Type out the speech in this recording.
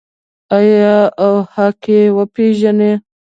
آیا او حق یې وپیژني؟